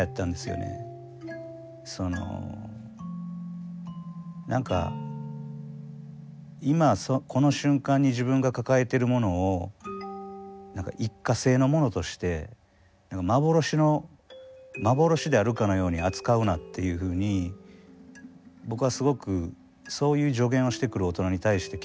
その何か今この瞬間に自分が抱えてるものを一過性のものとして幻であるかのように扱うなっていうふうに僕はすごくそういう助言をしてくる大人に対して嫌悪感を持ってたんで。